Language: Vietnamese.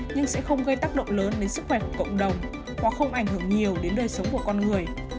nhưng sẽ không gây tác động lớn đến sức khỏe của cộng đồng hoặc không ảnh hưởng nhiều đến đời sống của con người